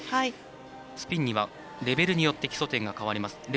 スピンにはレベルによって基礎点が変わります。